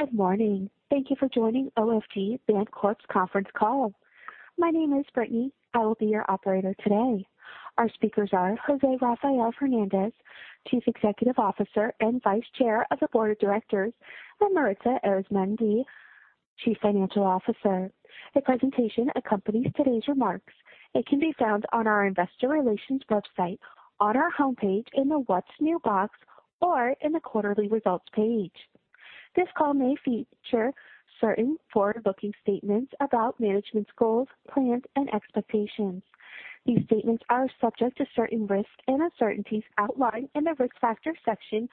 Good morning. Thank you for joining OFG Bancorp's Conference Call. My name is Brittany. I will be your operator today. Our speakers are José Rafael Fernández, Chief Executive Officer and Vice Chair of the Board of Directors, and Maritza Arizmendi Díaz, Chief Financial Officer. The presentation accompanies today's remarks. It can be found on our investor relations website, on our homepage in the What's New box or in the quarterly results page. This call may feature certain forward-looking statements about management's goals, plans, and expectations. These statements are subject to certain risks and uncertainties outlined in the Risk Factors section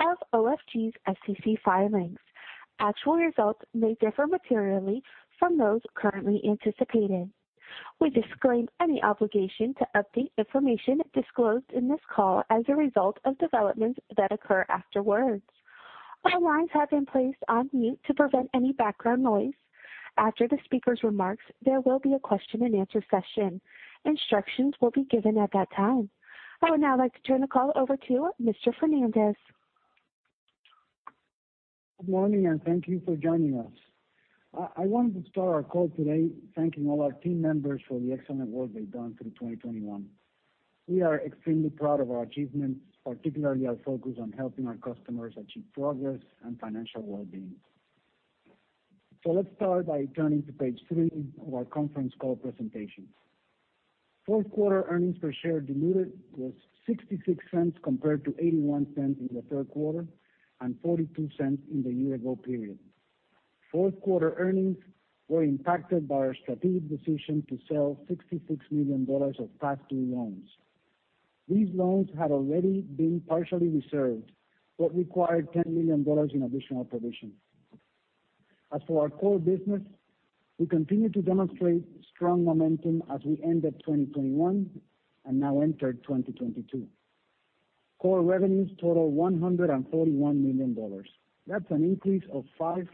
of OFG's SEC filings. Actual results may differ materially from those currently anticipated. We disclaim any obligation to update information disclosed in this call as a result of developments that occur afterwards. All lines have been placed on mute to prevent any background noise. After the speaker's remarks, there will be a question-and-answer session. Instructions will be given at that time. I would now like to turn the call over to Mr. Fernández. Good morning, and thank you for joining us. I wanted to start our call today thanking all our team members for the excellent work they've done through 2021. We are extremely proud of our achievements, particularly our focus on helping our customers achieve progress and financial well-being. Let's start by turning to page 3 of our conference call presentation. Fourth quarter earnings per share diluted was $0.66 compared to $0.81 in the third quarter and $0.42 in the year-ago period. Fourth quarter earnings were impacted by our strategic decision to sell $66 million of past-due loans. These loans had already been partially reserved but required $10 million in additional provisions. As for our core business, we continue to demonstrate strong momentum as we end 2021 and now enter 2022. Core revenues total $141 million. That's an increase of 5%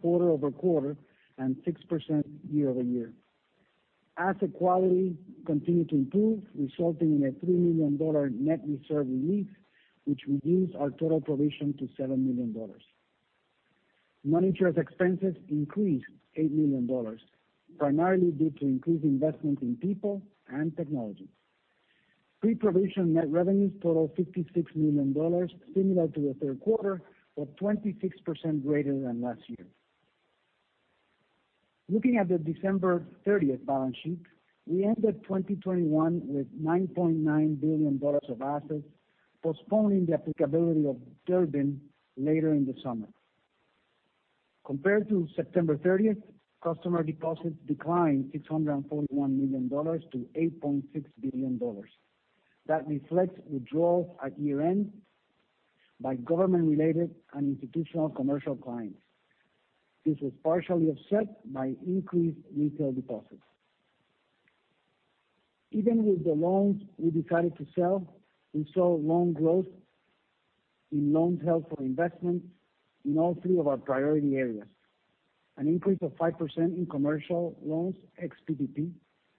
quarter-over-quarter and 6% year-over-year. Asset quality continued to improve, resulting in a $3 million net reserve release, which reduced our total provision to $7 million. Non-interest expenses increased $8 million, primarily due to increased investment in people and technology. Pre-provision net revenues totaled $56 million, similar to the third quarter, but 26% greater than last year. Looking at the December 30 balance sheet, we ended 2021 with $9.9 billion of assets, postponing the applicability of Durbin later in the summer. Compared to September 30, customer deposits declined $641 million to $8.6 billion. That reflects withdrawals at year-end by government-related and institutional commercial clients. This was partially offset by increased retail deposits. Even with the loans we decided to sell, we saw loan growth in loans held for investment in all three of our priority areas. An increase of 5% in commercial loans ex-PPP,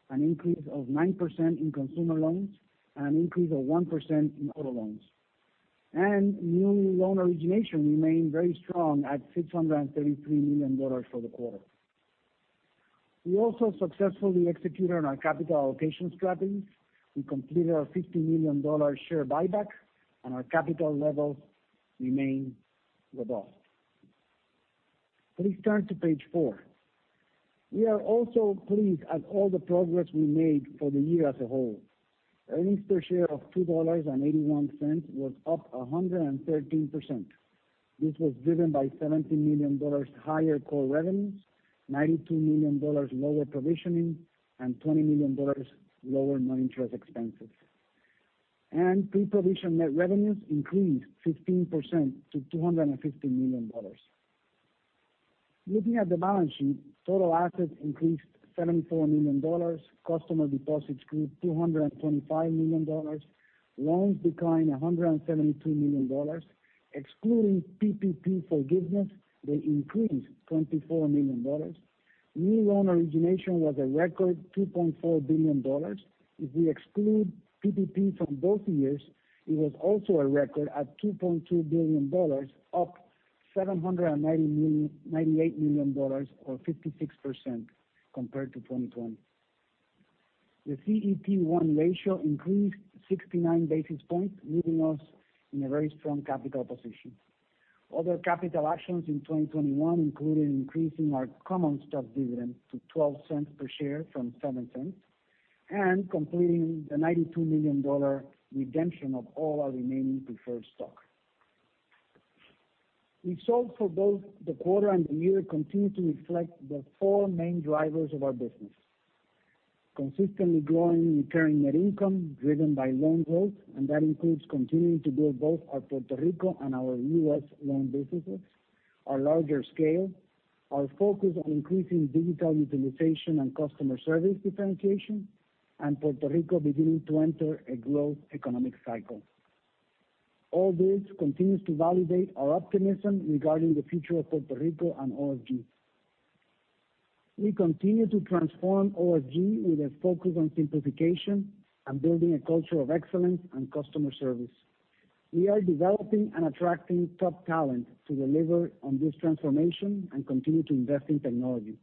an increase of 9% in consumer loans, and an increase of 1% in auto loans. New loan origination remained very strong at $633 million for the quarter. We also successfully executed on our capital allocation strategy. We completed our $50 million share buyback, and our capital levels remain robust. Please turn to page four. We are also pleased at all the progress we made for the year as a whole. Earnings per share of $2.81 was up 113%. This was driven by $17 million higher core revenues, $92 million lower provisioning, and $20 million lower non-interest expenses. Pre-provision net revenues increased 15% to $250 million. Looking at the balance sheet, total assets increased $74 million. Customer deposits grew $225 million. Loans declined $172 million. Excluding PPP forgiveness, they increased $24 million. New loan origination was a record $2.4 billion. If we exclude PPP from both years, it was also a record at $2.2 billion, up $798 million or 56% compared to 2020. The CET1 ratio increased 69 basis points, leaving us in a very strong capital position. Other capital actions in 2021 included increasing our common stock dividend to $0.12 per share from $0.07 and completing the $92 million redemption of all our remaining preferred stock. Results for both the quarter and the year continue to reflect the four main drivers of our business. Consistently growing recurring net income driven by loan growth, and that includes continuing to build both our Puerto Rico and our U.S. loan businesses, our larger scale, our focus on increasing digital utilization and customer service differentiation, and Puerto Rico beginning to enter a growth economic cycle. All this continues to validate our optimism regarding the future of Puerto Rico and OFG. We continue to transform OFG with a focus on simplification and building a culture of excellence and customer service. We are developing and attracting top talent to deliver on this transformation and continue to invest in technology.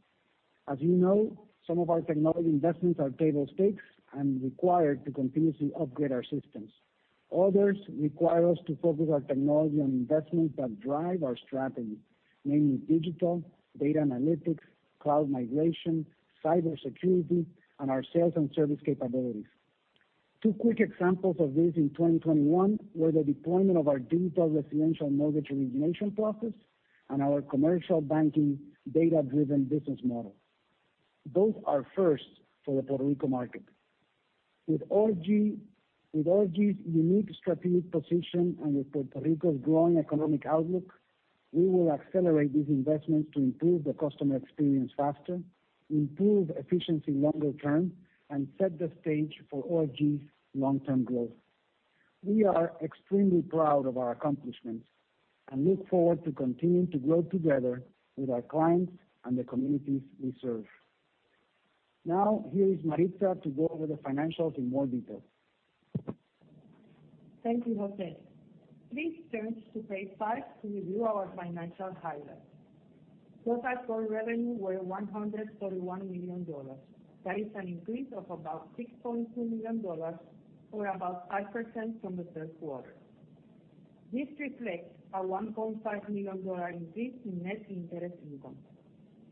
As you know, some of our technology investments are table stakes and required to continuously upgrade our systems. Others require us to focus our technology on investments that drive our strategy, namely digital, data analytics, cloud migration, cybersecurity, and our sales and service capabilities. Two quick examples of this in 2021 were the deployment of our digital residential mortgage origination process and our commercial banking data-driven business model. Those are first for the Puerto Rico market. With OFG, with OFG's unique strategic position and with Puerto Rico's growing economic outlook, we will accelerate these investments to improve the customer experience faster, improve efficiency longer term, and set the stage for OFG's long-term growth. We are extremely proud of our accomplishments and look forward to continuing to grow together with our clients and the communities we serve. Now, here is Maritza to go over the financials in more detail. Thank you, José. Please turn to page 5 to review our financial highlights. Total core revenue were $131 million. That is an increase of about $6.2 million or about 5% from the third quarter. This reflects a $1.5 million increase in net interest income.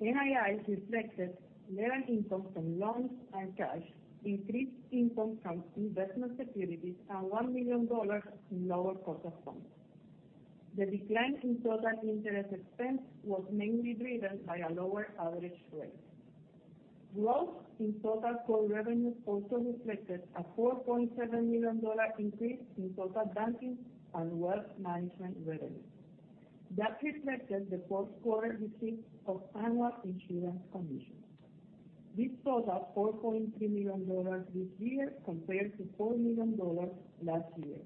NII reflected lower income from loans and cash, increased income from investment securities, and $1 million in lower cost of funds. The decline in total interest expense was mainly driven by a lower average rate. Growth in total core revenue also reflected a $4.7 million increase in total banking and wealth management revenue. That reflected the fourth quarter receipt of annual insurance commissions. This totaled $4.3 million this year compared to $4 million last year.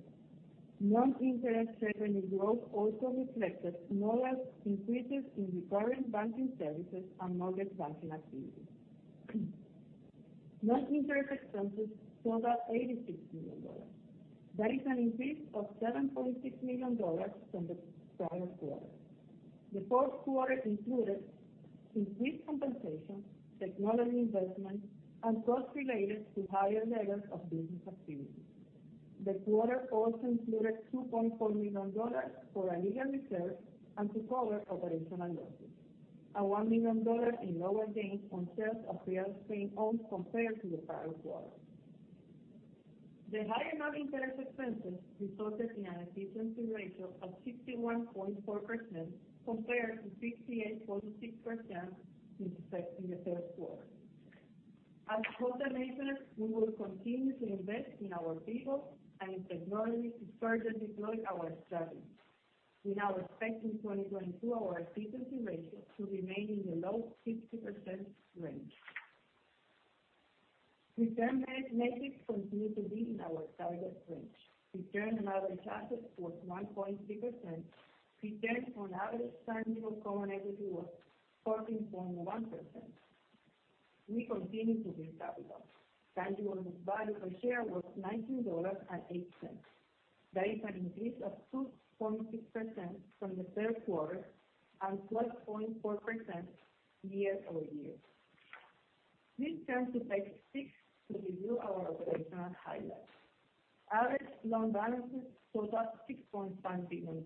Non-interest revenue growth also reflected modest increases in recurring banking services and mortgage banking activities. Non-interest expenses totaled $86 million. That is an increase of $7.6 million from the prior quarter. The fourth quarter included increased compensation, technology investments, and costs related to higher levels of business activity. The quarter also included $2.4 million for a legal reserve and to cover operational losses, and $1 million in lower gains on sales of real estate owned compared to the prior quarter. The higher non-interest expenses resulted in an efficiency ratio of 61.4% compared to 68.6% in the third quarter. As total measures, we will continue to invest in our people and in technology to further deploy our strategy. We now expect in 2022 our efficiency ratio to remain in the low 60% range. Return metrics continue to be in our target range. Return on average assets was 1.3%. Return on average tangible common equity was 14.1%. We continue to build capital. Tangible book value per share was $19.08. That is an increase of 2.6% from the third quarter and 12.4% year-over-year. Please turn to page six to review our operational highlights. Average loan balances totaled $6.7 billion.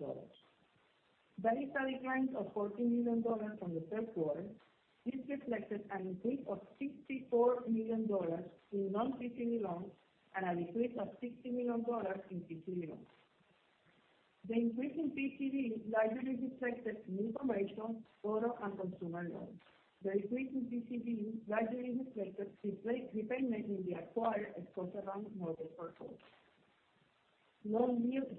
That is a decline of $14 million from the third quarter. This reflected an increase of $64 million in non-PCD loans and a decrease of $60 million in PCD loans. The increase in non-PCD largely reflected new commercial, auto, and consumer loans. The decrease in PCD largely reflected prepayments in the acquired Scotiabank mortgage portfolio. Loan yields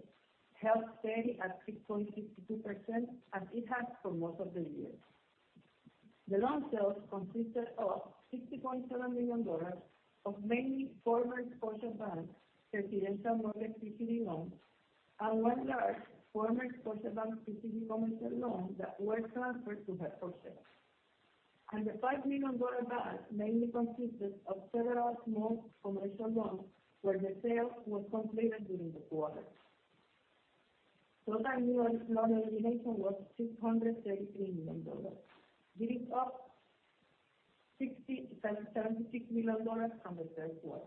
held steady at 6.62% as it has for most of the year. The loan sales consisted of $60.7 million of mainly former Scotiabank residential mortgage PCD loans and one large former Scotiabank PCD commercial loan that were transferred to held for sale. The $5 million balance mainly consisted of several small commercial loans where the sale was completed during the quarter. Total new loan origination was $633 million. It is up $76 million from the third quarter.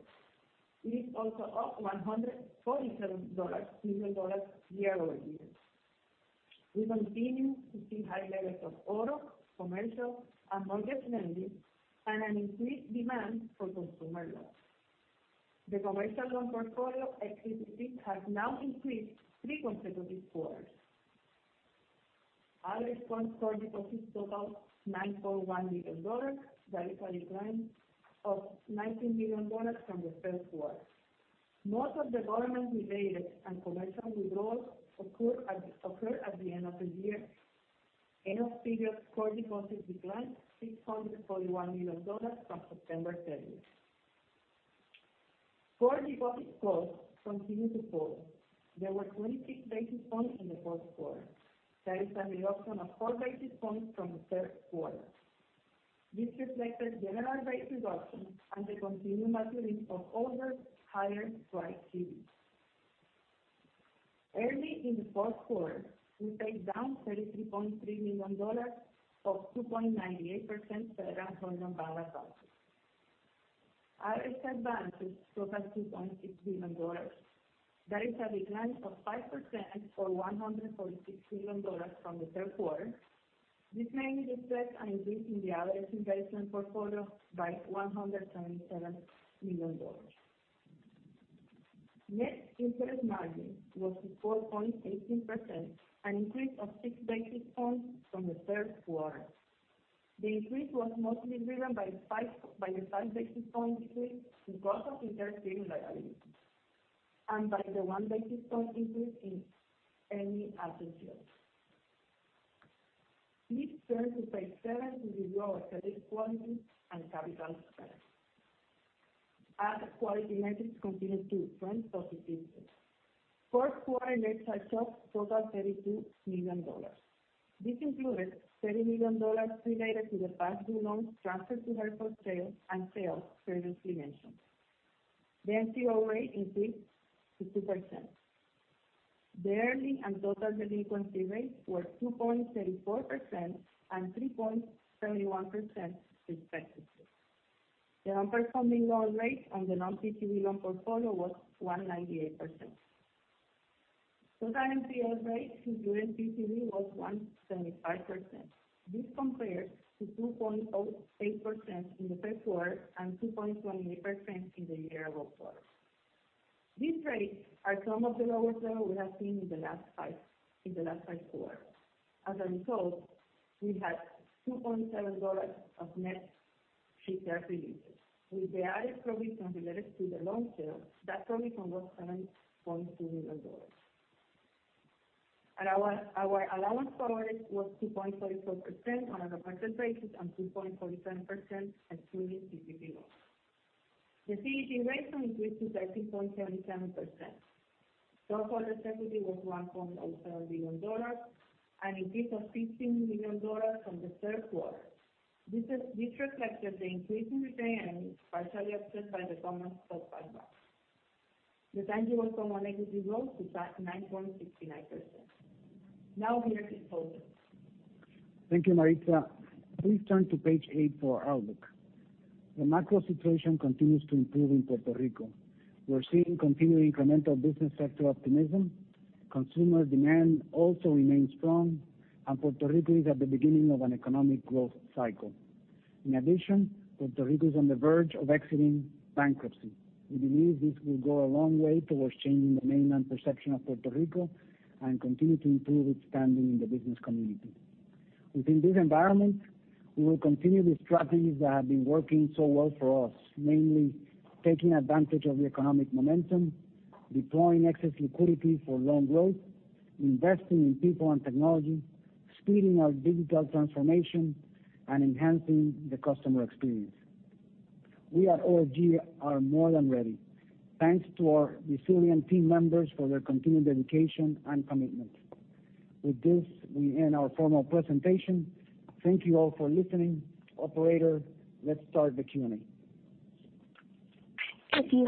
It is also up $147 million year-over-year. We continue to see high levels of auto, commercial, and mortgage lending and an increased demand for consumer loans. The commercial loan portfolio at OFG has now increased three consecutive quarters. Average funds sourced from deposits totaled $9.1 million. That is a decline of $19 million from the third quarter. Most of the government-related and commercial withdrawals occur at the end of the year. End of period core deposits declined $641 million from September 30. Core deposit costs continue to fall. There were 26 basis points in the fourth quarter. That is an improvement of 4 basis points from the third quarter. This reflected general rate reduction and the continued maturity of older, higher-rate CDs. Early in the fourth quarter, we paid down $33.3 million of 2.98% Federal Home Loan Bank deposits. Our asset balances total $2.6 billion. That is a decline of 5% or $146 million from the third quarter. This mainly reflects an increase in the average investment portfolio by $127 million. Net interest margin was 4.18%, an increase of 6 basis points from the third quarter. The increase was mostly driven by the 5 basis point increase in cost of interest-bearing liabilities and by the 1 basis point increase in any other fees. Please turn to page 7 to review our credit quality and capital strength. Our quality metrics continued to trend positive. Fourth quarter net charge-offs totaled $32 million. This included $30 million related to the past-due loans transferred to held for sale as previously mentioned. The NCO rate increased to 2%. The early and total delinquency rates were 2.34% and 3.31%, respectively. The nonperforming loan rate on the non-PPP loan portfolio was 1.98%. Total NPL rate, including PPP, was 1.75%. This compares to 2.08% in the third quarter and 2.28% in the year ago quarter. These rates are some of the lowest that we have seen in the last five quarters. As a result, we had $2.7 million of net ACL releases. With the added provision related to the loan sale, that provision was $7.2 million. Our allowance for credit losses was 2.44% on a percentage basis and 2.47% excluding PPP loans. The CET1 ratio increased to 13.77%. Total shareholders' equity was $1.07 billion, an increase of $15 million from the third quarter. This reflected the increase in retained earnings, partially offset by the common stock buyback. The tangible common equity rose to 9.69%. Now over to José. Thank you, Maritza. Please turn to page eight for our outlook. The macro situation continues to improve in Puerto Rico. We're seeing continued incremental business sector optimism. Consumer demand also remains strong, and Puerto Rico is at the beginning of an economic growth cycle. In addition, Puerto Rico is on the verge of exiting bankruptcy. We believe this will go a long way towards changing the mainland perception of Puerto Rico and continue to improve its standing in the business community. Within this environment, we will continue the strategies that have been working so well for us, mainly taking advantage of the economic momentum, deploying excess liquidity for loan growth, investing in people and technology, speeding our digital transformation and enhancing the customer experience. We at OFG are more than ready. Thanks to our resilient team members for their continued dedication and commitment. With this, we end our formal presentation. Thank you all for listening. Operator, let's start the Q&A. We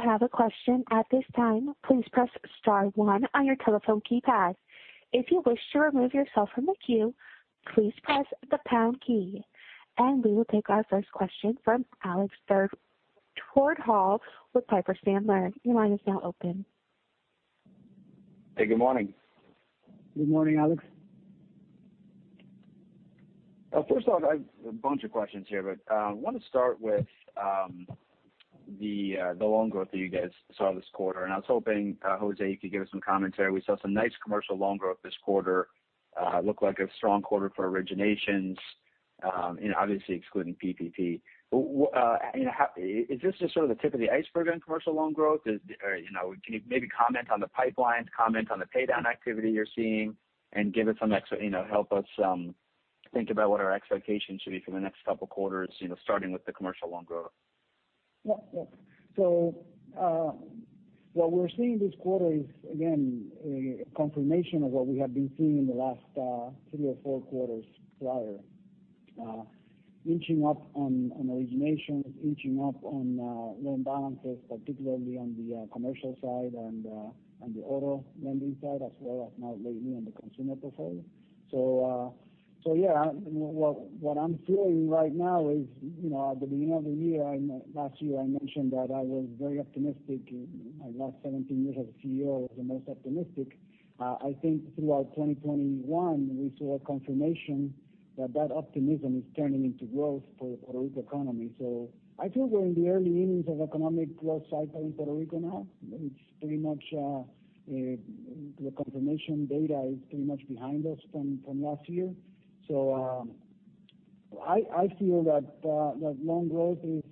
will take our first question from Alex Twerdahl with Piper Sandler. Your line is now open. Hey, good morning. Good morning, Alex. First off, I have a bunch of questions here, but I wanna start with the loan growth that you guys saw this quarter. I was hoping, José, you could give us some commentary. We saw some nice commercial loan growth this quarter, looked like a strong quarter for originations, you know, obviously excluding PPP. You know, how is this just sort of the tip of the iceberg in commercial loan growth? Or, you know, can you maybe comment on the pipeline, comment on the pay down activity you're seeing, and give us some, you know, help us think about what our expectations should be for the next couple quarters, you know, starting with the commercial loan growth? Yeah, what we're seeing this quarter is, again, a confirmation of what we have been seeing in the last three or four quarters prior. Inching up on originations, inching up on loan balances, particularly on the commercial side and the auto lending side, as well as now lately on the consumer portfolio. Yeah, what I'm feeling right now is, you know, at the beginning of the year last year, I mentioned that I was very optimistic. In my last 17 years as a CEO, I was the most optimistic. I think throughout 2021, we saw a confirmation that that optimism is turning into growth for the Puerto Rico economy. I feel we're in the early innings of economic growth cycle in Puerto Rico now. It's pretty much the confirmation data is pretty much behind us from last year. I feel that loan growth is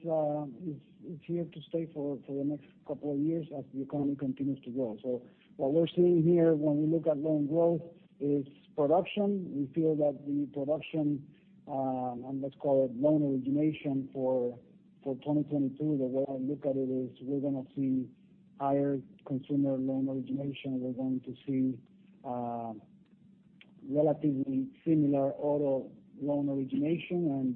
here to stay for the next couple of years as the economy continues to grow. What we're seeing here when we look at loan growth is production. We feel that the production and let's call it loan origination for 2022, the way I look at it is we're gonna see higher consumer loan origination. We're going to see relatively similar auto loan origination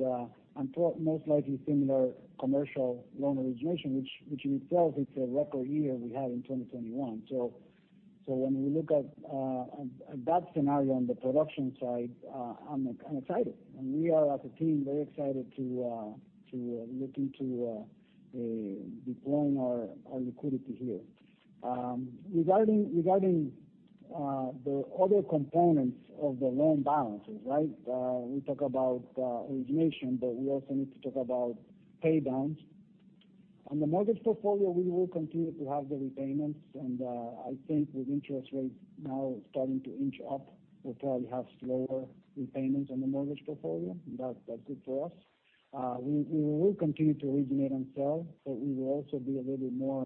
and most likely similar commercial loan origination, which in itself it's a record year we had in 2021. When we look at that scenario on the production side, I'm excited. We are as a team very excited to look into deploying our liquidity here. Regarding the other components of the loan balances, right? We talk about origination, but we also need to talk about pay downs. On the mortgage portfolio, we will continue to have the repayments, and I think with interest rates now starting to inch up, we'll probably have slower repayments on the mortgage portfolio. That's it for us. We will continue to originate and sell, but we will also be a little more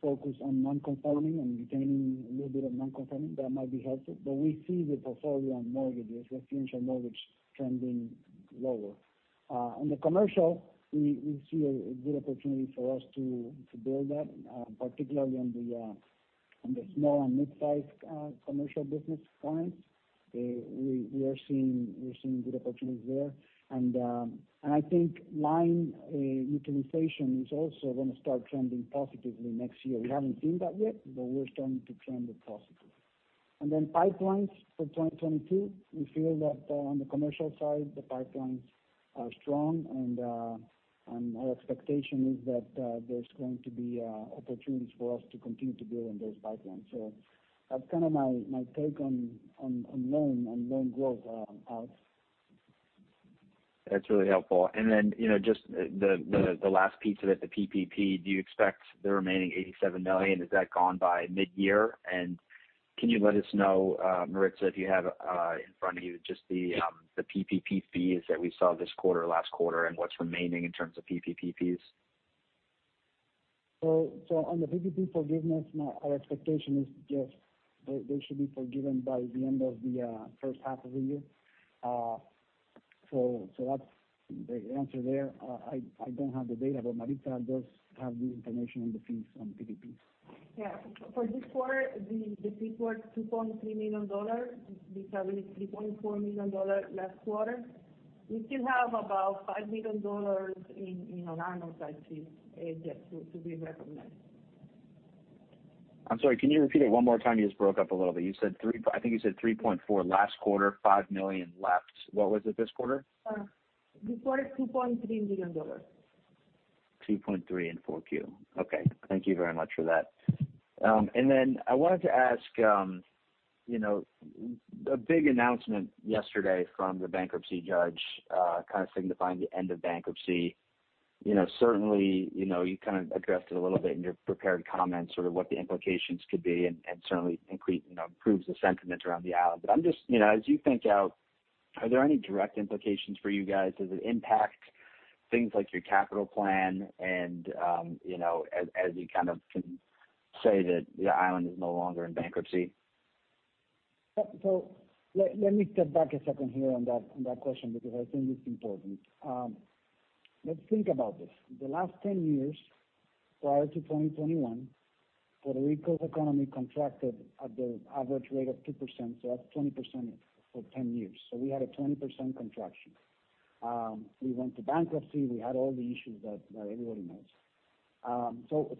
focused on non-conforming and retaining a little bit of non-conforming that might be helpful. We see the portfolio on mortgages, residential mortgage trending lower. On the commercial, we see a good opportunity for us to build that, particularly on the small and mid-sized commercial business clients. We are seeing good opportunities there. I think line utilization is also gonna start trending positively next year. We haven't seen that yet, but we're starting to trend it positive. Pipelines for 2022, we feel that on the commercial side, the pipelines are strong and our expectation is that there's going to be opportunities for us to continue to build on those pipelines. That's kind of my take on loan growth, Alex. That's really helpful. You know, just the last piece of it, the PPP, do you expect the remaining $87 million, is that gone by mid-year? Can you let us know, Maritza, if you have in front of you just the PPP fees that we saw this quarter, last quarter, and what's remaining in terms of PPP fees? On the PPP forgiveness, our expectation is just they should be forgiven by the end of the first half of the year. That's the answer there. I don't have the data, but Maritza does have the information on the fees on PPPs. Yeah. For this quarter, the fee were $2.3 million. We charged $3.4 million last quarter. We still have about $5 million in non-amortized fees yet to be recognized. I'm sorry, can you repeat it one more time? You just broke up a little bit. You said, I think you said 3.4 last quarter, $5 million left. What was it this quarter? This quarter, $2.3 million. 2.3 in 4Q. Okay, thank you very much for that. Then I wanted to ask, you know, a big announcement yesterday from the bankruptcy judge, kind of signifying the end of bankruptcy. You know, certainly, you know, you kind of addressed it a little bit in your prepared comments, sort of what the implications could be and certainly increase, you know, improves the sentiment around the island. But I'm just, you know, as you think out, are there any direct implications for you guys? Does it impact things like your capital plan and, you know, as you kind of can say that the island is no longer in bankruptcy? Let me step back a second here on that question, because I think it's important. Let's think about this. The last 10 years, prior to 2021, Puerto Rico's economy contracted at the average rate of 2%, so that's 20% for 10 years. We had a 20% contraction. We went to bankruptcy, we had all the issues that everybody knows.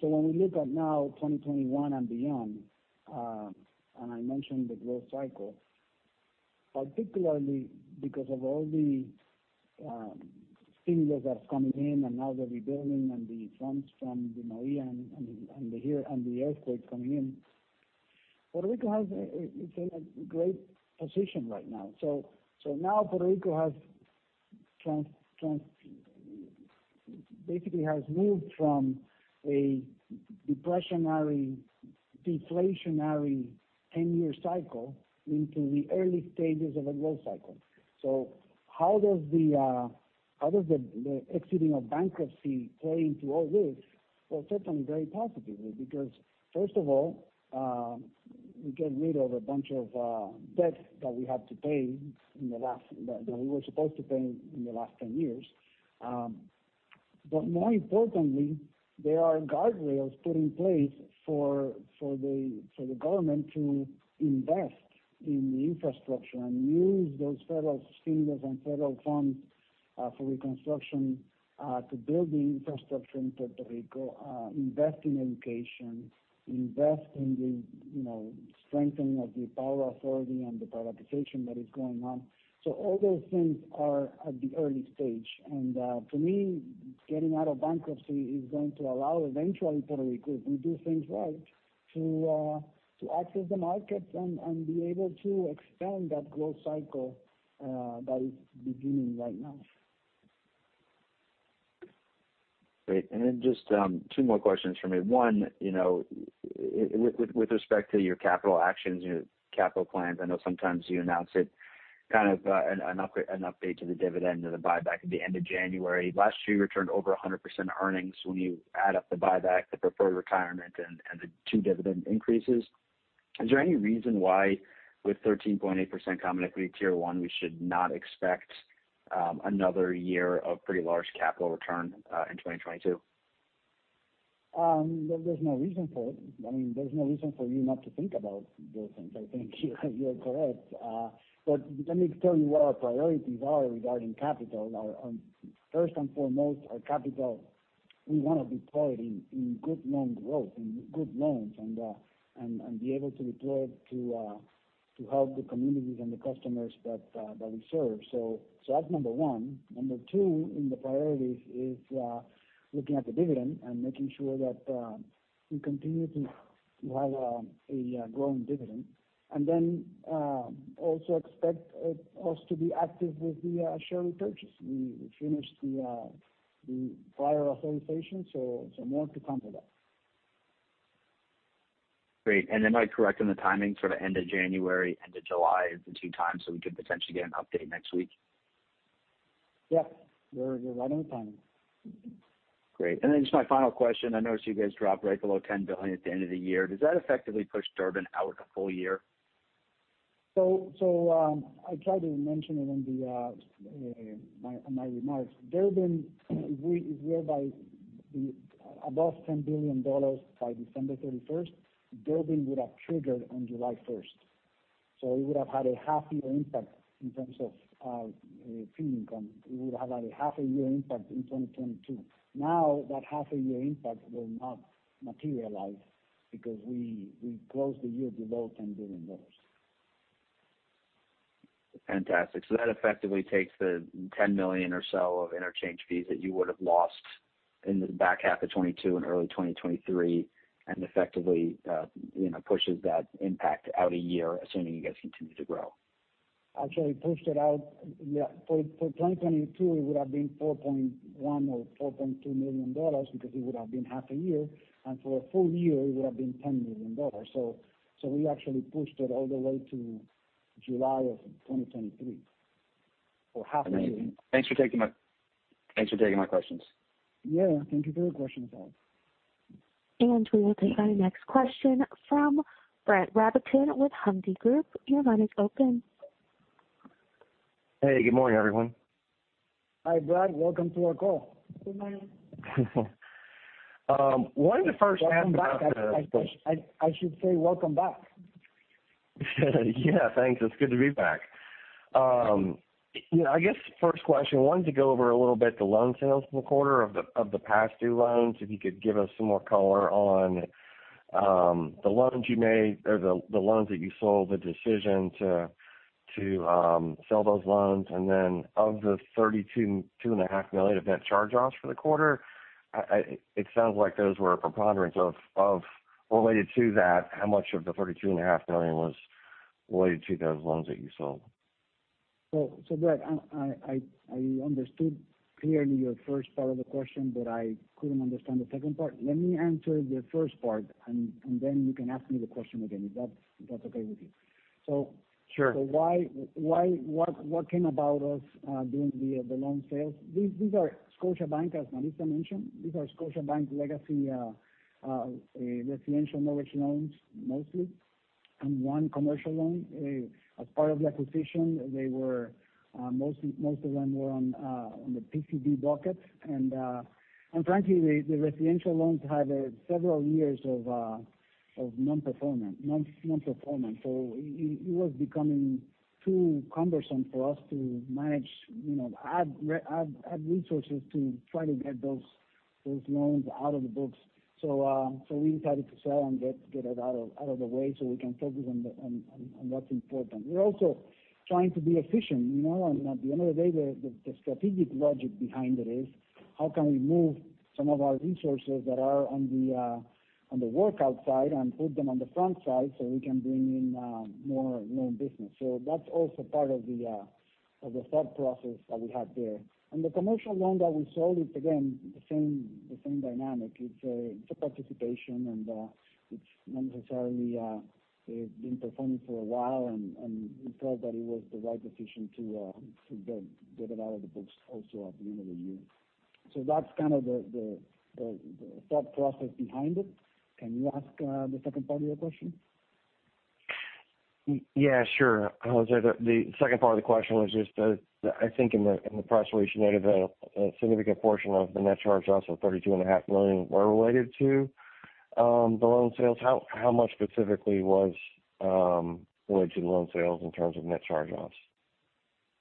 When we look at now 2021 and beyond, and I mentioned the growth cycle, particularly because of all the stimulus that's coming in and now the rebuilding and the funds from, you know, IA and the aid and the earthquake coming in, Puerto Rico is in a great position right now. Now Puerto Rico has basically moved from a depressionary, deflationary 10-year cycle into the early stages of a growth cycle. How does the exiting of bankruptcy play into all this? Well, certainly very positively because first of all, we get rid of a bunch of debt that we were supposed to pay in the last 10 years. But more importantly, there are guardrails put in place for the government to invest in the infrastructure and use those federal stimulus and federal funds for reconstruction to build the infrastructure in Puerto Rico, invest in education, invest in the, you know, strengthening of the power authority and the privatization that is going on. All those things are at the early stage. To me, getting out of bankruptcy is going to allow eventually Puerto Rico, if we do things right, to access the markets and be able to expand that growth cycle that is beginning right now. Great. Just two more questions from me. One, you know, with respect to your capital actions, your capital plans, I know sometimes you announce it kind of an update to the dividend or the buyback at the end of January. Last year, you returned over 100% earnings when you add up the buyback, the preferred retirement and the two dividend increases. Is there any reason why with 13.8% common equity tier one, we should not expect another year of pretty large capital return in 2022? There's no reason for it. I mean, there's no reason for you not to think about those things. I think you're correct. Let me tell you what our priorities are regarding capital, first and foremost, our capital. We wanna deploy it in good loan growth, in good loans and be able to deploy it to help the communities and the customers that we serve. That's number one. Number two in the priorities is looking at the dividend and making sure that we continue to have a growing dividend. Also, expect us to be active with the share repurchase. We finished the prior authorization, so more to come for that. Great. Am I correct in the timing, sort of end of January, end of July are the two times, so we could potentially get an update next week? Yeah. You're right on the timing. Great. Just my final question. I noticed you guys dropped right below $10 billion at the end of the year. Does that effectively push Durbin out a full year? I tried to mention it in my remarks. Durbin, if we are above $10 billion by December 31st, Durbin would have triggered on July 1st. We would have had a half year impact in terms of fee income. We would have had a half a year impact in 2022. Now that half a year impact will not materialize because we closed the year below $10 billion. Fantastic. That effectively takes the $10 million or so of interchange fees that you would have lost in the back half of 2022 and early 2023, and effectively pushes that impact out a year, assuming you guys continue to grow. Actually pushed it out. Yeah. For 2022, it would have been $4.1 or $4.2 million because it would have been half a year, and for a full year, it would have been $10 million. We actually pushed it all the way to July of 2023 for half a year. Amazing. Thanks for taking my questions. Yeah. Thank you for your questions, Alex. We will take our next question from Brett Rabatin with Hovde Group. Your line is open. Hey, good morning, everyone. Hi, Brett. Welcome to our call. Good morning. I wanted to first ask about the Welcome back. I should say welcome back. Yeah. Thanks. It's good to be back. You know, I guess first question. I wanted to go over a little bit the loan sales from the quarter of the past due loans. If you could give us some more color on the loans you made or the loans that you sold, the decision to sell those loans. Of the $32.5 million net charge-offs for the quarter, it sounds like those were a preponderance of related to that. How much of the $32.5 million was related to those loans that you sold? Brett, I understood clearly your first part of the question, but I couldn't understand the second part. Let me answer the first part and then you can ask me the question again, if that's okay with you. Sure. Why what came about us doing the loan sales? These are Scotiabank, as Maritza mentioned, these are Scotiabank legacy residential mortgage loans mostly, and one commercial loan. As part of the acquisition, most of them were on the PCD bucket. Frankly, the residential loans had several years of non-performing. It was becoming too cumbersome for us to manage, you know, add resources to try to get those loans out of the books. We decided to sell and get it out of the way so we can focus on what's important. We're also trying to be efficient, you know? I mean, at the end of the day, the strategic logic behind it is how can we move some of our resources that are on the workout side and put them on the front side so we can bring in more loan business. That's also part of the thought process that we had there. The commercial loan that we sold is again the same dynamic. It's a participation and it's not necessarily been performing for a while and we felt that it was the right decision to get it out of the books also at the end of the year. That's kind of the thought process behind it. Can you ask the second part of your question? Yeah, sure. José, the second part of the question was just I think in the press release, you noted that a significant portion of the net charge-offs of $32.5 million were related to the loan sales. How much specifically was related to loan sales in terms of net charge-offs?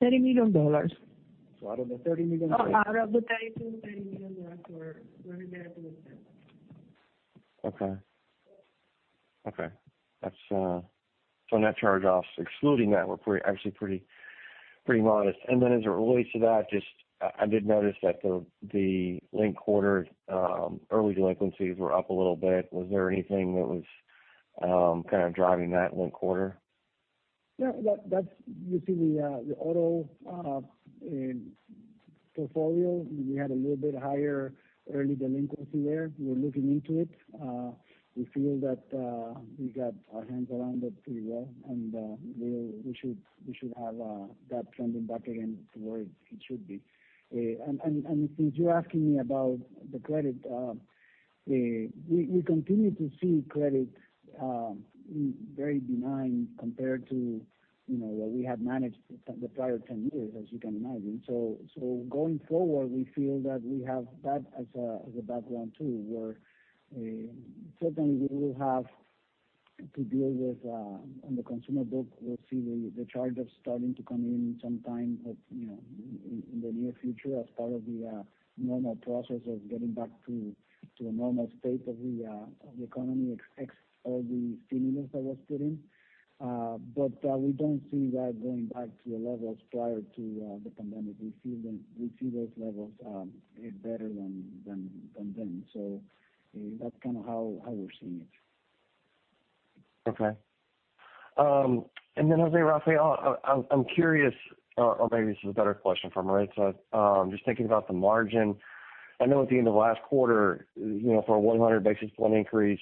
$30 million. Out of the $30 million- Oh, out of the 32, $30 million were related to this sale. Okay. That's net charge-offs excluding that were actually pretty modest. Then as it relates to that, just I did notice that the linked quarter early delinquencies were up a little bit. Was there anything that was kind of driving that linked quarter? Yeah. That's you see the auto portfolio, we had a little bit higher early delinquency there. We're looking into it. We feel that we got our hands around it pretty well and we should have that trending back again to where it should be. Since you're asking me about the credit, we continue to see credit very benign compared to, you know, what we have managed for the prior 10 years, as you can imagine. Going forward, we feel that we have that as a background too, where certainly we will have to deal with, on the consumer book, we'll see the charge-offs starting to come in some time, you know, in the near future as part of the normal process of getting back to a normal state of the economy ex all the stimulus that was put in. We don't see that going back to the levels prior to the pandemic. We see them, we see those levels, as better than then. That's kind of how we're seeing it. Okay. José Rafael, I'm curious, or maybe this is a better question for Maritza. Just thinking about the margin, I know at the end of last quarter, you know, for a 100 basis point increase,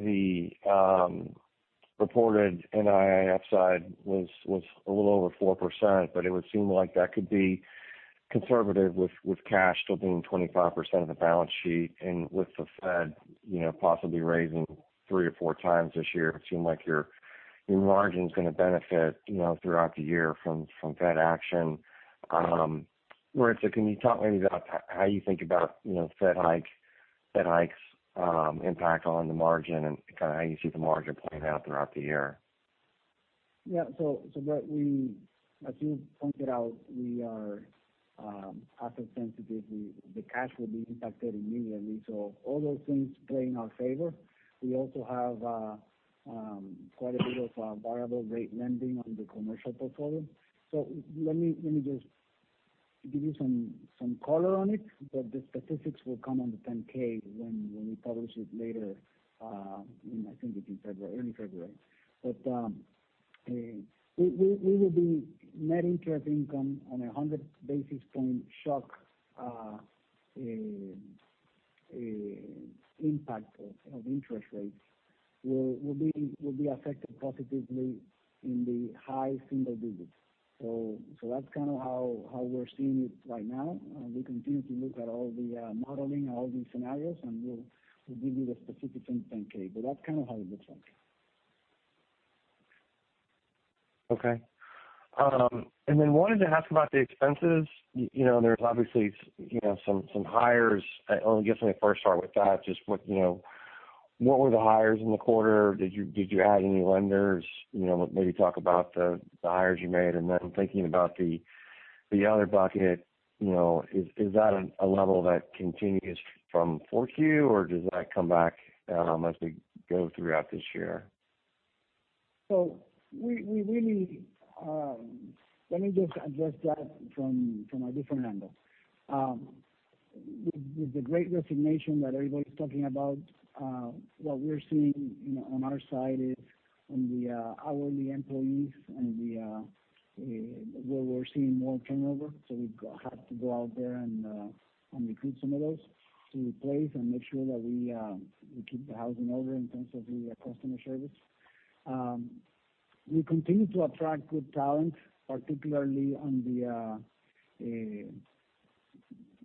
the reported NII upside was a little over 4%. It would seem like that could be conservative with cash still being 25% of the balance sheet and with the Fed, you know, possibly raising three or four times this year. It seems like your margin's gonna benefit, you know, throughout the year from Fed action. Maritza, can you talk maybe about how you think about, you know, Fed hikes impact on the margin and kind of how you see the margin playing out throughout the year? Yeah. As you pointed out, we are asset sensitive. The cash will be impacted immediately. All those things play in our favor. We also have quite a bit of variable rate lending on the commercial portfolio. Let me just give you some color on it, but the specifics will come on the 10-K when we publish it later in I think it's in February, early February. We will be net interest income on a 100 basis point shock, impact of interest rates will be affected positively in the high single digits%. That's kind of how we're seeing it right now. We continue to look at all the modeling and all the scenarios, and we'll give you the specifics in the 10-K. That's kind of how it looks like. Okay. Wanted to ask about the expenses. You know, there's obviously some hires. I guess let me first start with that. Just what were the hires in the quarter? Did you add any lenders? You know, maybe talk about the hires you made. Thinking about the other bucket, you know, is that a level that continues from 4Q or does that come back as we go throughout this year? Let me just address that from a different angle. With the great resignation that everybody's talking about, what we're seeing, you know, on our side is on the hourly employees and where we're seeing more turnover. We have to go out there and recruit some of those to replace and make sure that we keep the house in order in terms of the customer service. We continue to attract good talent, particularly on the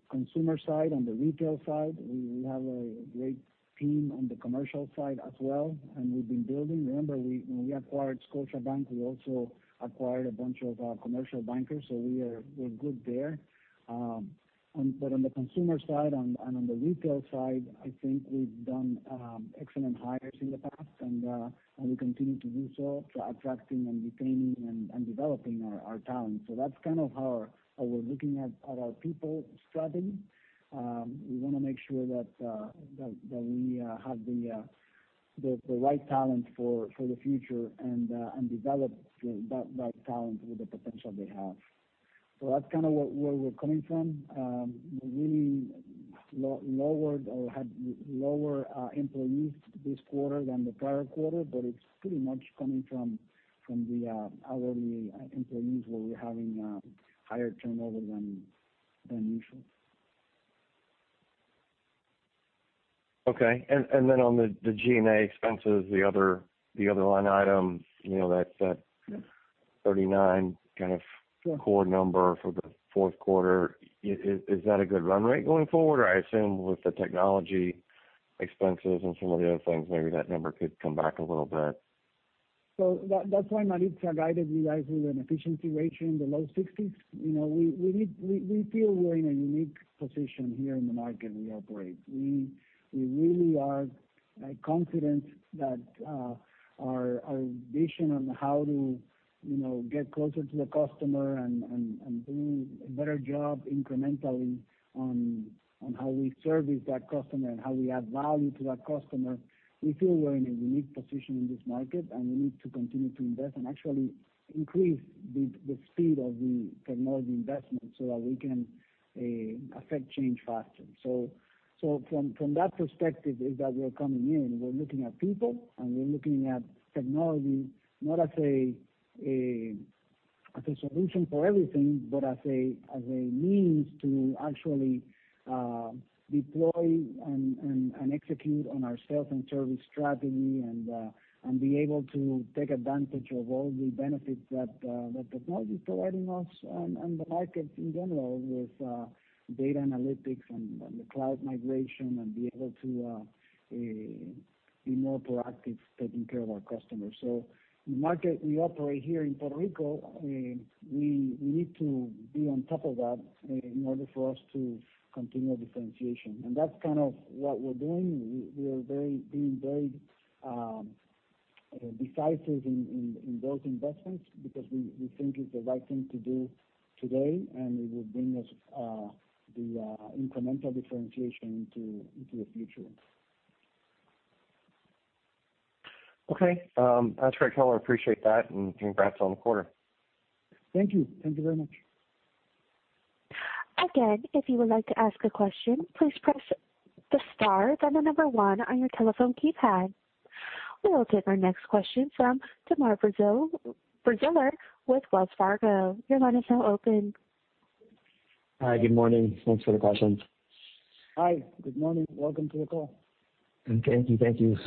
consumer side, on the retail side. We have a great team on the commercial side as well, and we've been building. Remember when we acquired Scotiabank, we also acquired a bunch of commercial bankers, so we're good there. On the consumer side and on the retail side, I think we've done excellent hires in the past and we continue to do so, attracting and retaining and developing our talent. That's kind of how we're looking at our people strategy. We wanna make sure that we have the right talent for the future and develop that talent with the potential they have. That's kind of what we're coming from. We really lowered or had lower employees this quarter than the prior quarter, but it's pretty much coming from the hourly employees, where we're having higher turnover than usual. Okay. On the G&A expenses, the other line item, you know, that's that $39 kind of core number for the fourth quarter. Is that a good run rate going forward? Or I assume with the technology expenses and some of the other things, maybe that number could come back a little bit. That's why Maritza guided you guys with an efficiency ratio in the low 60s%. We feel we're in a unique position here in the market we operate. We really are confident that our vision on how to get closer to the customer and doing a better job incrementally on how we service that customer and how we add value to that customer. We feel we're in a unique position in this market, and we need to continue to invest and actually increase the speed of the technology investment so that we can affect change faster. From that perspective, we're coming in, we're looking at people, and we're looking at technology, not as a solution for everything, but as a means to actually deploy and execute on our sales and service strategy and be able to take advantage of all the benefits that technology is providing us and the market in general with data analytics and the cloud migration and be able to be more proactive taking care of our customers. The market we operate here in Puerto Rico, we need to be on top of that in order for us to continue differentiation. That's kind of what we're doing. We are being very decisive in those investments because we think it's the right thing to do today, and it will bring us the incremental differentiation into the future. Okay. That's fair. I appreciate that, and congrats on the quarter. Thank you. Thank you very much. Again, if you would like to ask a question, please press the star then the number one on your telephone keypad. We will take our next question from Timur Braziler with Wells Fargo. Your line is now open. Hi, good morning. Thanks for the question. Hi, good morning. Welcome to the call. Thank you.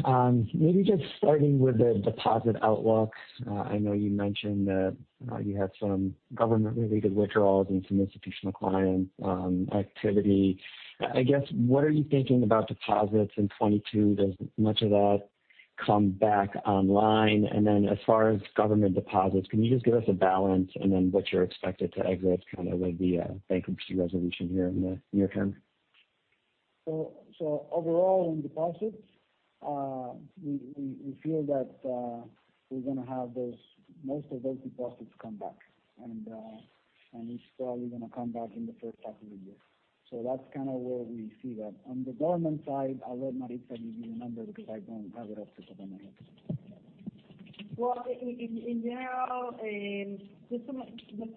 Maybe just starting with the deposit outlook. I know you mentioned that you had some government-related withdrawals and some institutional client activity. I guess, what are you thinking about deposits in 2022? Does much of that come back online? Then as far as government deposits, can you just give us a balance and then what you're expected to exit kind of with the bankruptcy resolution here in the near term? Overall in deposits, we feel that we're gonna have those most of those deposits come back, and it's probably gonna come back in the first half of the year. That's kinda where we see that. On the government side, I'll let Maritza give you the number because I don't have it off the top of my head. Well, in general, just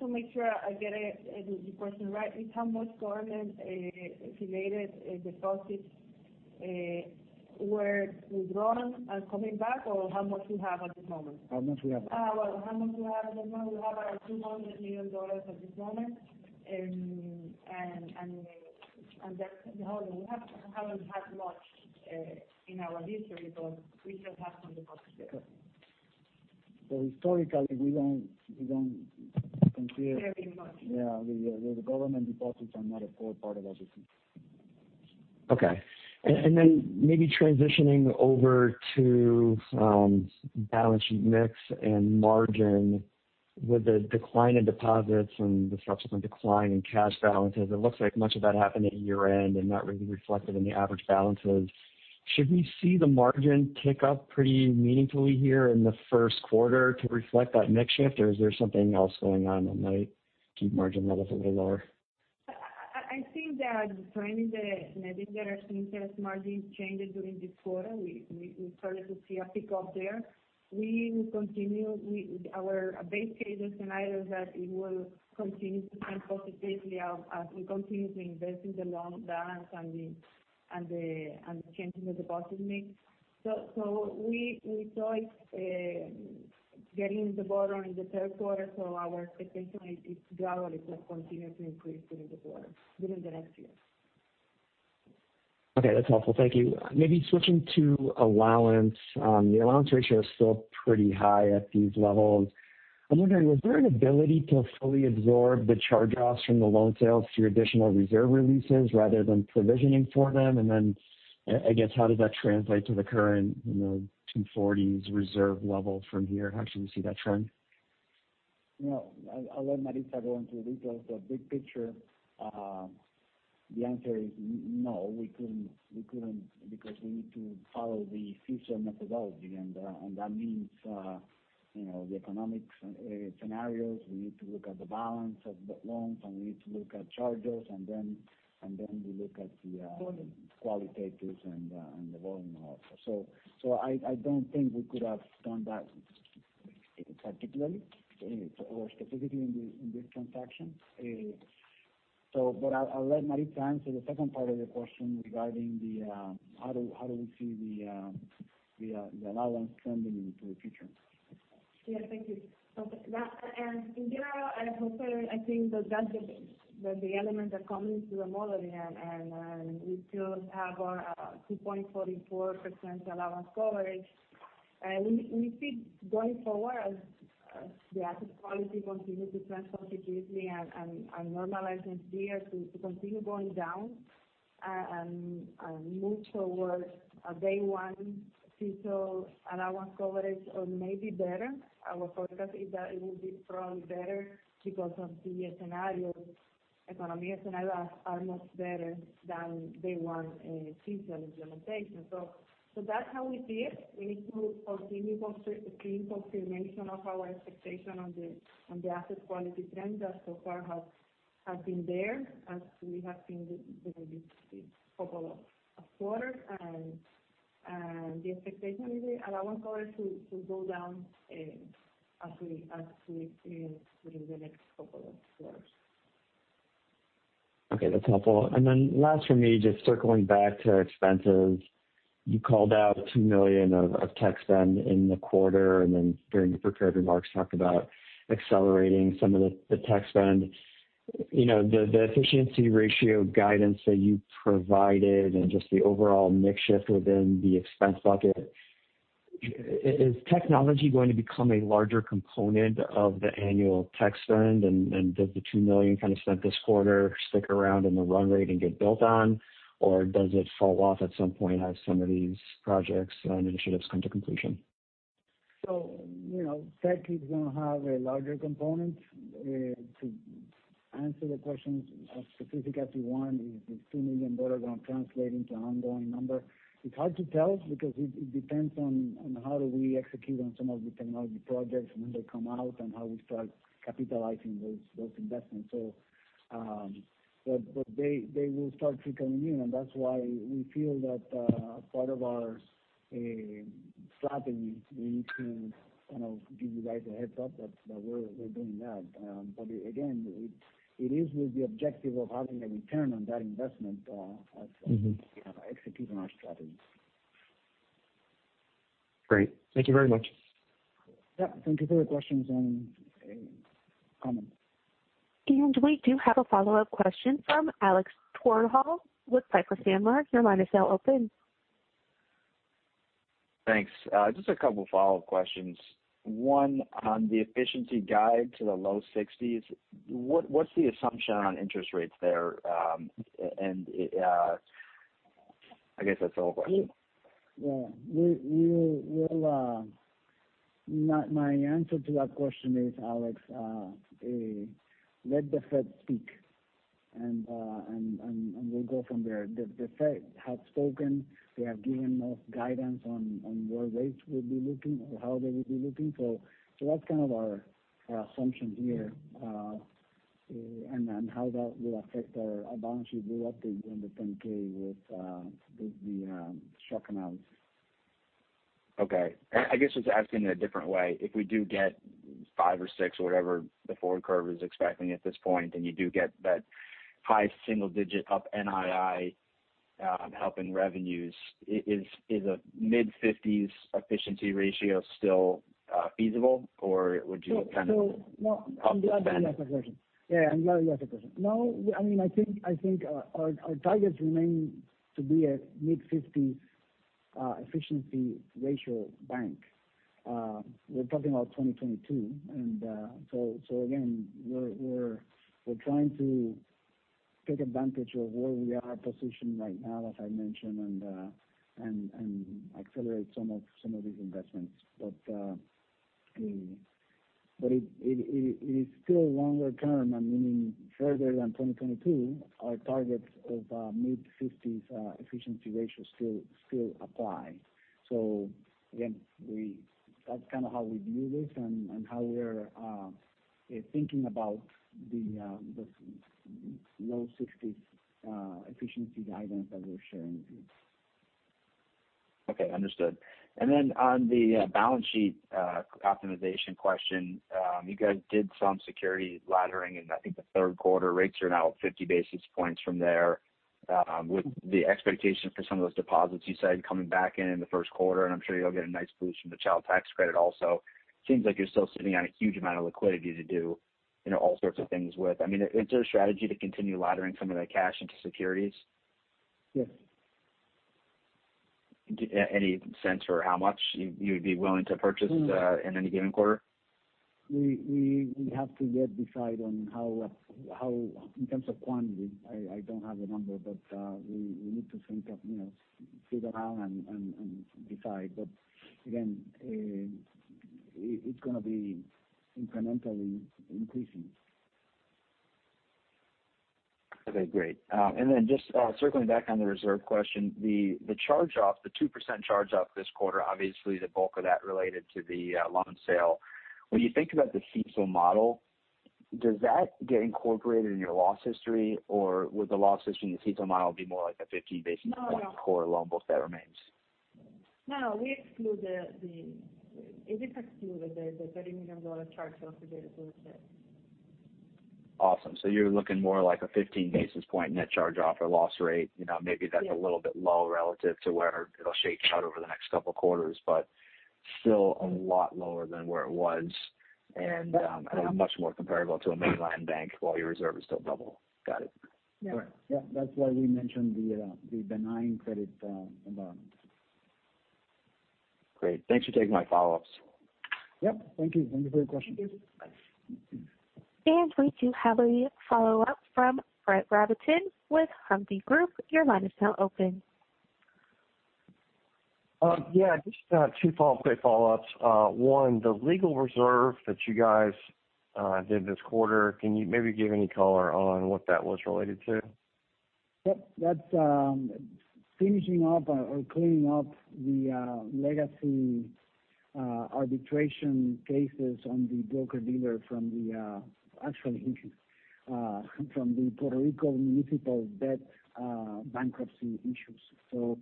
to make sure I get the question right, it's how much government related deposits were withdrawn and coming back or how much we have at the moment? How much we have? Well, how much we have at the moment. We have $200 million at this moment. That's all. We haven't had much in our history, but we still have some deposits there. Historically, we don't consider. Very much. Yeah. The government deposits are not a core part of our business. Okay. Maybe transitioning over to balance sheet mix and margin. With the decline in deposits and the subsequent decline in cash balances, it looks like much of that happened at year-end and not really reflected in the average balances. Should we see the margin tick up pretty meaningfully here in the first quarter to reflect that mix shift, or is there something else going on that might keep margin levels a little lower? I think that during the net interest and interest margin changes during this quarter, we started to see a tick up there. We will continue with our base case scenario that it will continue to trend positively out as we continue to invest in the loan balance and the changes in deposit mix. We saw it getting the bottom in the third quarter, so our expectation is gradually to continue to increase during the next year. Okay. That's helpful. Thank you. Maybe switching to allowance. The allowance ratio is still pretty high at these levels. I'm wondering, was there an ability to fully absorb the charge-offs from the loan sales through additional reserve releases rather than provisioning for them? I guess, how does that translate to the current, you know, 2.40s reserve level from here? How should we see that trend? You know, I'll let Maritza go into the details. The big picture, the answer is no, we couldn't because we need to follow the future methodology. That means, you know, the economic scenarios, we need to look at the balance of the loans, and we need to look at charges, and then we look at the, Volume. Qualitatives and the volume also. I don't think we could have done that particularly or specifically in this transaction. But I'll let Maritza answer the second part of your question regarding how we see the allowance trending into the future. Yeah, thank you. In general, as José said, I think that that's the base, the elements are coming to the model, and we still have our 2.44% allowance coverage. We see going forward as the asset quality continues to trend positively and normalizing here to continue going down, and move towards a day one CECL allowance coverage or maybe better. Our forecast is that it will be probably better because of the scenario, economy scenario are much better than day one CECL implementation. That's how we see it. We need to continue seeing confirmation of our expectation on the asset quality trend that so far has been there as we have seen the couple of quarters. The expectation is the allowance coverage to go down as we see within the next couple of quarters. Okay. That's helpful. Last for me, just circling back to expenses. You called out $2 million of tech spend in the quarter, and then during the prepared remarks, talked about accelerating some of the tech spend. You know, the efficiency ratio guidance that you provided and just the overall mix shift within the expense bucket, is technology going to become a larger component of the annual tech spend? Does the $2 million kind of spent this quarter stick around in the run rate and get built on, or does it fall off at some point as some of these projects and initiatives come to completion? You know, tech is gonna have a larger component to answer the questions as specific as you want. Is $2 million gonna translate into ongoing number? It's hard to tell because it depends on how we execute on some of the technology projects and when they come out and how we start capitalizing those investments. But they will start trickling in, and that's why we feel that part of our strategy, we need to kind of give you guys a heads up that we're doing that. But again, it is with the objective of having a return on that investment, as Mm-hmm. We are executing our strategy. Great. Thank you very much. Yeah. Thank you for your questions and comments. We do have a follow-up question from Alex Twerdahl with Piper Sandler. Your line is now open. Thanks. Just a couple follow-up questions. One, on the efficiency guidance to the low sixties, what's the assumption on interest rates there? I guess that's the whole question. Yeah. We will. My answer to that question is, Alex, let the Fed speak and we'll go from there. The Fed have spoken. They have given us guidance on where rates will be looking or how they will be looking. That's kind of our assumption here, and then how that will affect our balance sheet build up in the 10-K with the shock amounts. Okay. I guess just asking a different way, if we do get 5 or 6 or whatever the forward curve is expecting at this point, and you do get that high single digit up NII, helping revenues, is a mid-fifties efficiency ratio still feasible, or would you kind of No. Up the spend? I'm glad you asked that question. No, I mean, I think our targets remain to be a mid-50s% efficiency ratio bank. We're talking about 2022, and so again, we're trying to take advantage of where we are positioned right now, as I mentioned, and accelerate some of these investments. It is still longer term, I mean further than 2022, our targets of mid-50s% efficiency ratio still apply. Again, that's kinda how we view this and how we're thinking about the low 60s% efficiency guidance that we're sharing with you. Okay. Understood. Then on the balance sheet optimization question, you guys did some security laddering in, I think, the third quarter. Rates are now 50 basis points from there, with the expectation for some of those deposits you said coming back in the first quarter, and I'm sure you'll get a nice boost from the child tax credit also. Seems like you're still sitting on a huge amount of liquidity to do, you know, all sorts of things with. I mean, is there a strategy to continue laddering some of that cash into securities? Yes. Any sense of how much you'd be willing to purchase in any given quarter? We have to yet decide on how, in terms of quantity, I don't have a number, but we need to think of, you know, figure out and decide. Again, it's gonna be incrementally increasing. Okay, great. Just circling back on the reserve question, the charge off, the 2% charge off this quarter, obviously the bulk of that related to the loan sale. When you think about the CECL model, does that get incorporated in your loss history, or would the loss history in the CECL model be more like a 50 basis point core loan book that remains? It is excluded, the $30 million charge-off for the associate. Awesome. You're looking more like a 15 basis point net charge-off or loss rate. You know, maybe that's- Yeah. A little bit low relative to where it'll shake out over the next couple quarters, but still a lot lower than where it was. Much more comparable to a mainland bank while your reserve is still double. Got it. Yeah. All right. Yeah. That's why we mentioned the benign credit environment. Great. Thanks for taking my follow-ups. Yep. Thank you. Thank you for your question. We do have a follow-up from Brett Rabatin with Hovde Group. Your line is now open. Yeah, two quick follow-ups. One, the legal reserve that you guys did this quarter, can you maybe give any color on what that was related to? Yep. That's finishing up or cleaning up the legacy arbitration cases on the broker-dealer from the, actually, Puerto Rico municipal debt bankruptcy issues. You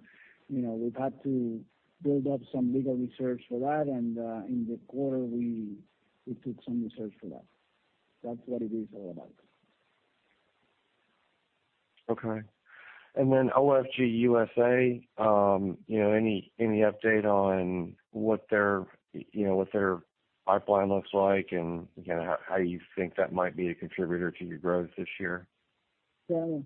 know, we've had to build up some legal reserves for that, and in the quarter, we took some reserves for that. That's what it is all about. Okay. OFG USA, any update on what their pipeline looks like and, again, how you think that might be a contributor to your growth this year? We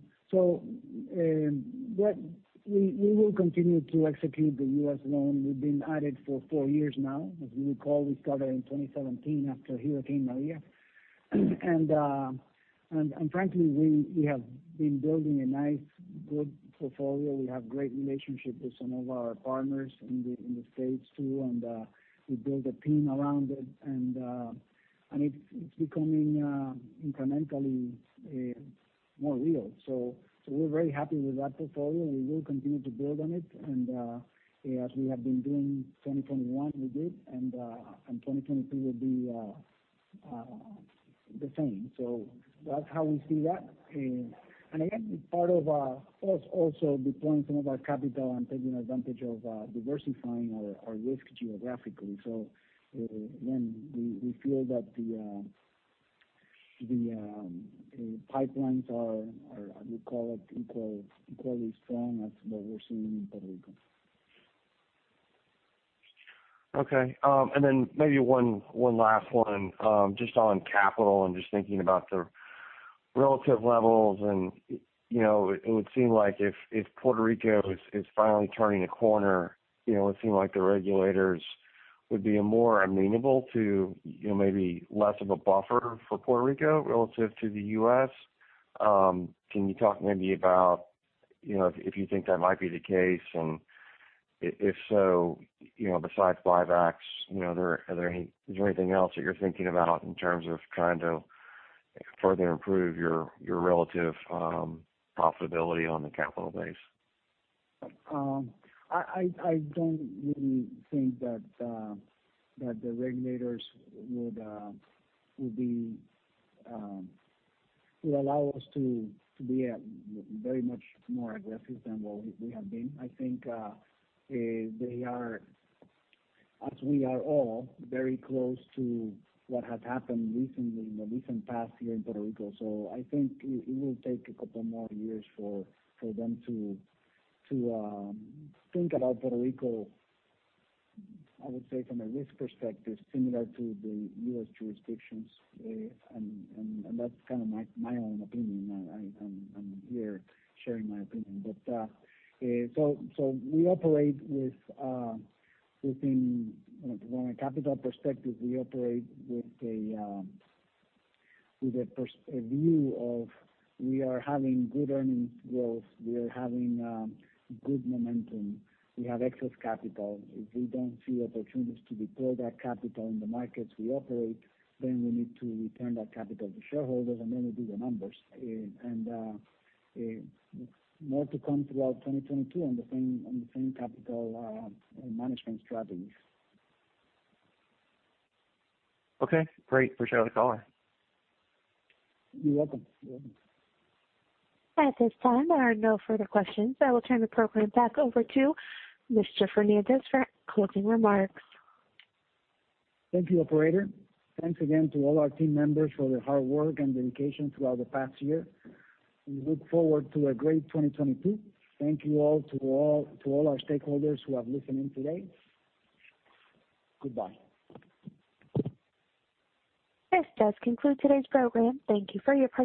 will continue to execute the U.S. loan. We've been at it for four years now. As you recall, we started in 2017 after Hurricane Maria. Frankly, we have been building a nice, good portfolio. We have great relationship with some of our partners in the States too, and we built a team around it. It's becoming incrementally more real. We're very happy with that portfolio, and we will continue to build on it. As we have been doing 2021, we did, and 2022 will be the same. That's how we see that. Again, part of us also deploying some of our capital and taking advantage of diversifying our risk geographically. Again, we feel that the pipelines are equally strong as what we're seeing in Puerto Rico. Okay. Maybe one last one, just on capital and just thinking about the relative levels and, you know, it would seem like if Puerto Rico is finally turning a corner, you know, it seems like the regulators would be more amenable to, you know, maybe less of a buffer for Puerto Rico relative to the U.S. Can you talk maybe about, you know, if you think that might be the case, and if so, you know, besides buybacks, you know, is there anything else that you're thinking about in terms of trying to further improve your relative profitability on the capital base? I don't really think that the regulators would allow us to be very much more aggressive than what we have been. I think they are, as we are all, very close to what has happened recently in the recent past here in Puerto Rico. I think it will take a couple more years for them to think about Puerto Rico, I would say, from a risk perspective, similar to the U.S. jurisdictions. That's kind of my own opinion. I'm here sharing my opinion. We operate within, you know, from a capital perspective, we operate with a view of we are having good earnings growth, we are having good momentum. We have excess capital. If we don't see opportunities to deploy that capital in the markets we operate, then we need to return that capital to shareholders, and then we do the numbers. More to come throughout 2022 on the same capital management strategies. Okay, great. Appreciate the color. You're welcome. At this time, there are no further questions. I will turn the program back over to Mr. José Rafael Fernández for closing remarks. Thank you, operator. Thanks again to all our team members for their hard work and dedication throughout the past year. We look forward to a great 2022. Thank you to all our stakeholders who have listened in today. Goodbye. This does conclude today's program. Thank you for your participation.